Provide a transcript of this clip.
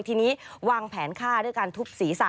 ทีนี้วางแผนฆ่าด้วยการทุบศีรษะ